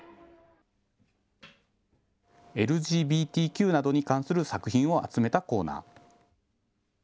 ＬＧＢＴＱなどに関する作品を集めたコーナー。